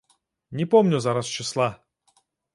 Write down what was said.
Не помню зараз чысла.